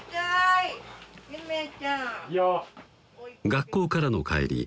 学校からの帰り